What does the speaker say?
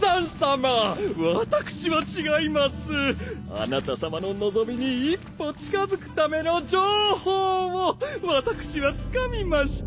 あなたさまの望みに一歩近づくための情報を私はつかみました。